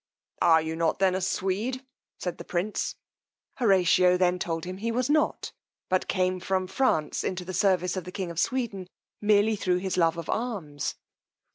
Are you not then a Swede? said the prince. Horatio then told him that he was not, but came from France into the service of the king of Sweden merely thro' his love of arms.